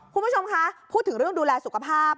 คุณผู้ชมคะพูดถึงเรื่องดูแลสุขภาพ